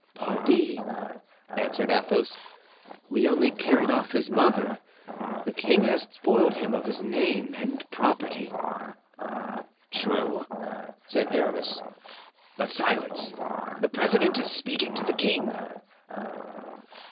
"Pardi," answered Athos "we only carried off his mother; the king has spoiled him of his name and property." "True," said Aramis; "but silence! the president is speaking to the king."